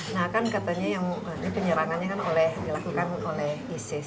nah kan katanya yang penyerangannya kan dilakukan oleh isis